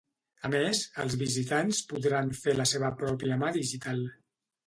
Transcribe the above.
A més, els visitants podran fer la seva pròpia mà digital.